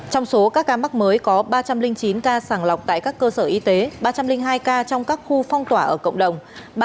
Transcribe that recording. trong số các ca mắc mới có ba trăm linh chín ca sàng lọc tại các cơ sở y tế ba trăm linh hai ca trong các khu phong tỏa ở cộng đồng